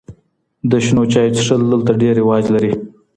د شنو چایو څښل دلته ډېر رواج لري.